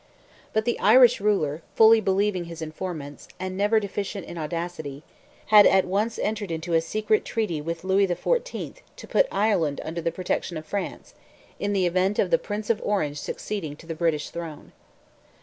But the Irish ruler, fully believing his informants, and never deficient in audacity, had at once entered into a secret treaty with Louis XIV. to put Ireland under the protection of France, in the event of the Prince of Orange succeeding to the British throne.